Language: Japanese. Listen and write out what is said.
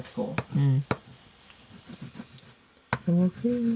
うん。